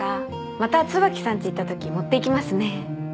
また椿さんち行ったとき持っていきますね。